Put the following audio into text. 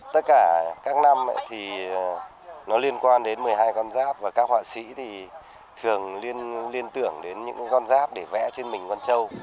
tất cả các năm thì nó liên quan đến một mươi hai con giáp và các họa sĩ thì thường liên tưởng đến những con giáp để vẽ trên mình con trâu